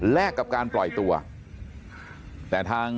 กับการปล่อยตัวแต่ทาง